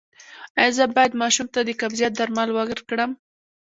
ایا زه باید ماشوم ته د قبضیت درمل ورکړم؟